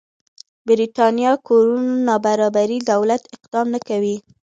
برېتانيا کورونو نابرابري دولت اقدام نه کموي.